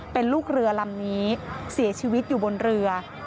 เป็นลูกเรือลำนี้เสียชีวิตอยู่บนเรือ